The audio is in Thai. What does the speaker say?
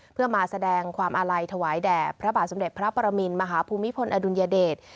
เพื่อมาแสดงความอาลัยถวายแด่พระบาทสมเด็จพระปรมินมหาภูมิพลอดุลยเดช